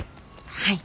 はい。